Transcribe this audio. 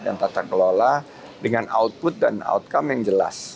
dan tata kelola dengan output dan outcome yang jelas